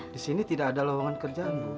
di sini tidak ada lowongan kerjaan ibu